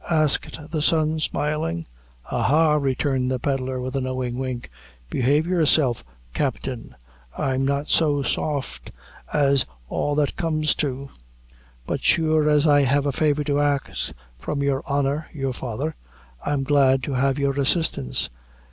asked the son, smiling. "Ah, ah!" returned the pedlar, with a knowing wink, "behave yourself, captain; I'm not so soft as all that comes to; but sure as I have a favor to ax from his honor, your father, I'm glad to have your assistance.